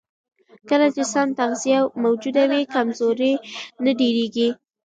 کله چې سم تغذیه موجوده وي، کمزوري نه ډېرېږي.